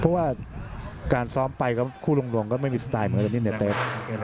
ว่าการซ้อมไปกับคู่แรงบนเวลาไม่มีสไตล์